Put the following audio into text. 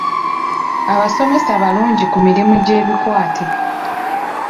Abasomesa balungi ku mirimu gy'ebikwate.